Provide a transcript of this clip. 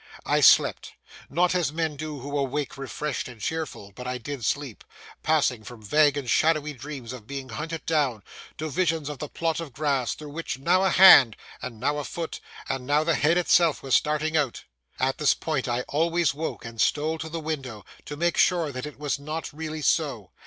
I slept,—not as men do who awake refreshed and cheerful, but I did sleep, passing from vague and shadowy dreams of being hunted down, to visions of the plot of grass, through which now a hand, and now a foot, and now the head itself was starting out. At this point I always woke and stole to the window, to make sure that it was not really so.